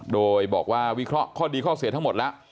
โดยบอกว่าวิเคราะห์ข้อดีข้อเสียทั้งหมดแล้ว